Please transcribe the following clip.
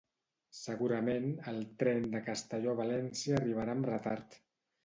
Segurament el tren de Castelló a València arribarà amb retard